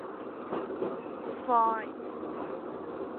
ฟลอยด์